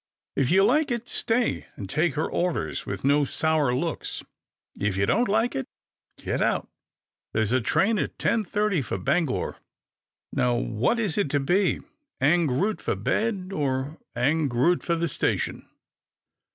If you like it, stay and take her orders with no sour looks. If you don't like it, get out. There's a train at ten thirty for Bangor. Now which is it to be — ang root for bed, or ang root for the station